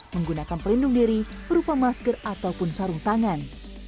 menggunakan pelindung diri berupa masker ataupun sarung tangan